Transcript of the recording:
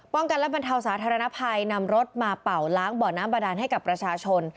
กันและบรรเทาสาธารณภัยนำรถมาเป่าล้างบ่อน้ำบาดานให้กับประชาชน